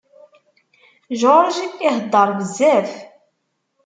George ihedder bezzaf